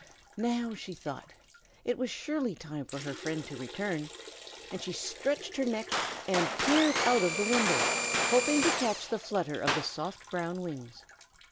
Now, she thought, it was surely time for her friend to return; and she stretched her neck, and peered out of the window, hoping to catch the flutter of the soft brown wings.